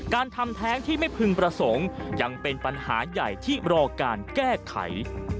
การทำแท้งที่ไม่พึงประสงค์ยังเป็นปัญหาใหญ่ที่รอการแก้ไข